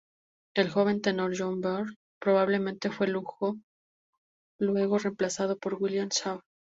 El joven tenor John Beard probablemente fue luego reemplazado por William Savage.